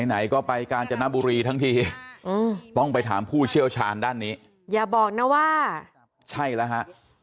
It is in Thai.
ไหนก็ไปกาญจนบุรีทั้งทีต้องไปถามผู้เชี่ยวชาญด้านนี้อย่าบอกนะว่าใช่แล้วฮะ